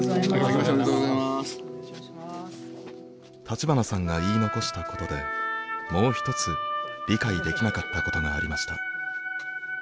立花さんが言い残したことでもう一つ理解できなかったことがありました。